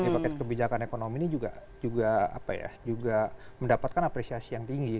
paket kebijakan ekonomi ini juga mendapatkan apresiasi yang tinggi